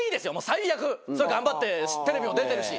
最悪頑張ってテレビも出てるし。